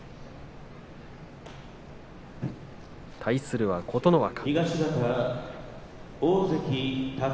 対するは琴ノ若。